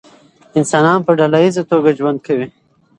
انسانان په ډله ایزه توګه ژوند کوي.